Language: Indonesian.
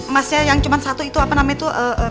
emasnya yang cuma satu itu apa namanya itu